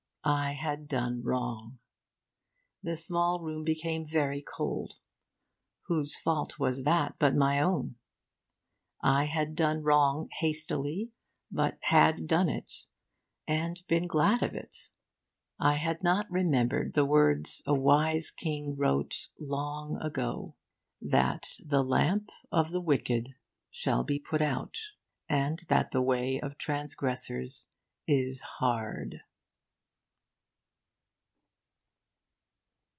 I had done wrong. The small room became very cold. Whose fault was that but my own? I had done wrong hastily, but had done it and been glad of it. I had not remembered the words a wise king wrote long ago, that the lamp of the wicked shall be put out, and that the way of trangressors is hard.